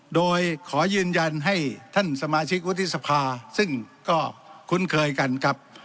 โดยขอยืนยันให้ท่านสมาชิกวุฒิสภาซึ่งก็คุ้นเคยกันครับ